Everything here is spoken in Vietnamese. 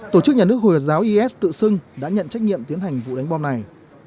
tổ chức nhà nước hồi giáo is tự xưng đã nhận trách nhiệm tiến hành vụ đánh bom này